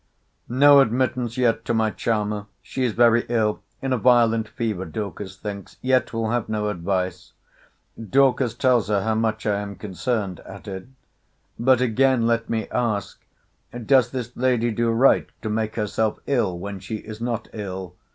No admittance yet to my charmer! she is very ill—in a violent fever, Dorcas thinks. Yet will have no advice. Dorcas tells her how much I am concerned at it. But again let me ask, Does this lady do right to make herself ill, when she is not ill?